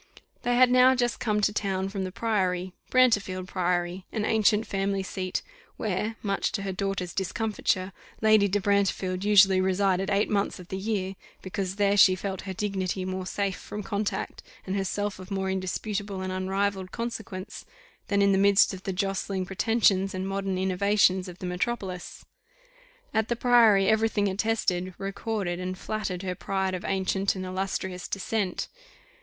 They had now just come to town from the Priory Brantefield Priory, an ancient family seat, where, much to her daughter's discomfiture, Lady de Brantefield usually resided eight months of the year, because there she felt her dignity more safe from contact, and herself of more indisputable and unrivalled consequence, than in the midst of the jostling pretensions and modern innovations of the metropolis. At the Priory every thing attested, recorded, and flattered her pride of ancient and illustrious descent.